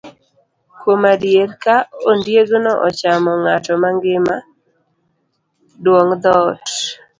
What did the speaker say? Kuom adier, ka ondiegno ochamo ng'ato mangima, dwong' dhoot.